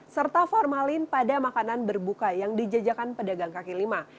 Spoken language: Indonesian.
serta formalin pada makanan berbuka yang dijajakan pedagang kaki lima